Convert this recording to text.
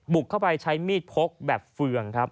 บุกเข้าไปใช้มีดพกแบบเฟือง